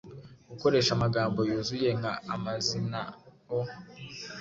gukoreha amagambo yuzuye nka amazinao"